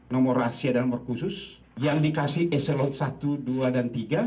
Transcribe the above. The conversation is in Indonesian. nomor rahasia dan nomor khusus yang dikasih eselon satu dua dan tiga